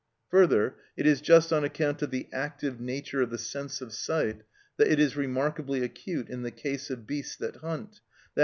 Further, it is just on account of the active nature of the sense of sight that it is remarkably acute in the case of beasts that hunt, _i.